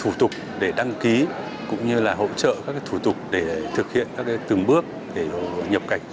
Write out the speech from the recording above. thủ tục để đăng ký cũng như là hỗ trợ các thủ tục để thực hiện các từng bước để nhập cảnh